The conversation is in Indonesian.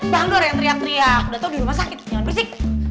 bangdor yang teriak teriak udah tau di rumah sakit senyuman gresik